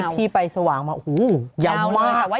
ที่ไปสว่างมาโอ้โหยาวมาก